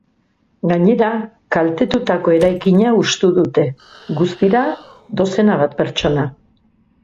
Gainera, kaltetutako eraikina hustu dute, guztira, dozena bat pertsona.